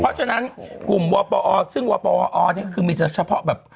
เพราะฉะนั้นกลุ่มวปอซึ่งวปวอนี่ก็คือมีเฉพาะแบบ